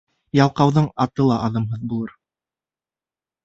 Ялҡауҙың аты ла аҙымһыҙ булыр.